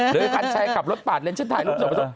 เดี๋ยวกันใช้กลับรถปากเงินฉันถ่ายรูปส่ง